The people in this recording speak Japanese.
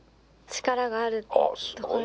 力があるところ。